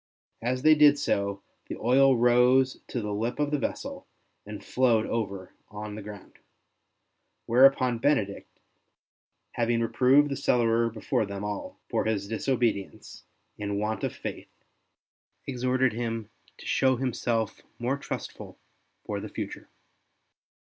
As they did so, the oil rose to the lip of the vessel and flowed over on the ground; whereupon Benedict, having reproved the cellarer before them all for his disobedience and want of faith, exhorted him to show himself more trustful for the future.